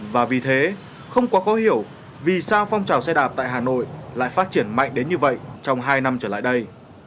và vì thế không quá khó hiểu vì sao phong trào xe đạp tại hà nội lại phát triển mạnh đến như vậy trong hai năm trở lại đây